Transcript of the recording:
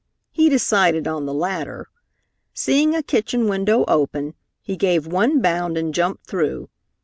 He decided on the latter. Seeing a kitchen window open, he gave one bound and jumped through.